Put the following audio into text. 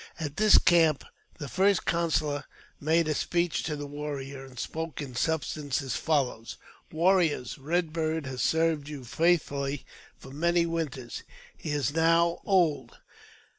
At this camp the First Counsellor made a speech to the warriors, and spoke in substance as follows :'* Warriors ! Eed Bird has served you faithfully many winters. He is now old.